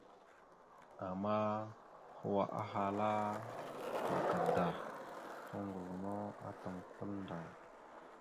Ama hwa ahala naka da, toŋgov no atam kwal ndar.